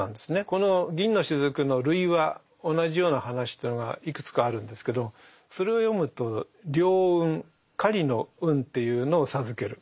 この「銀の滴」の類話同じような話というのがいくつかあるんですけどそれを読むと猟運狩りの運というのを授ける。